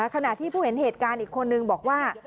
ขณะที่ผู้เห็นเหตุการณ์อีกคนนึงบอกว่า